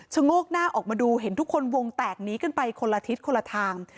โงกหน้าออกมาดูเห็นทุกคนวงแตกนี้กันไปคนละทิศคนละทาง